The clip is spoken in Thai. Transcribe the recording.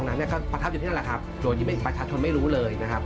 นั้นเนี่ยก็ประทับอยู่ที่นั่นแหละครับโดยที่ประชาชนไม่รู้เลยนะครับ